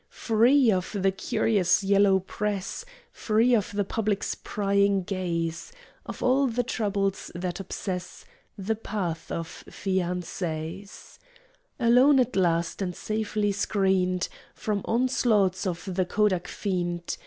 Free of the curious Yellow Press, Free of the public's prying gaze, Of all the troubles that obsess The path of fiancés! Alone at last, and safely screen'd From onslaughts of the kodak fiend!